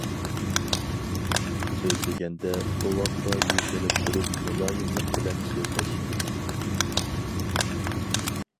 سۆزلىگەندە، بوۋاققا يۈزلىنىپ تۇرۇپ، مۇلايىملىق بىلەن سۆزلەش.